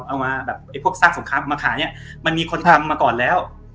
เอามาแบบไอ้พวกซากสงครามมาขายเนี่ยมันมีคนทำมาก่อนแล้ว